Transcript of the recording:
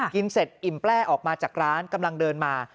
กินเสร็จอิ่มแปลออกมาจากร้านกำลังเดินมา